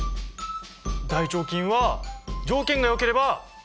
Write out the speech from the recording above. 大腸菌は条件がよければ２０分。